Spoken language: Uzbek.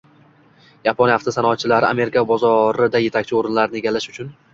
Yaponiya avtosanoatchilari Amerika bozorida yetakchi o‘rinlarni egallash uchun